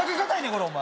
これお前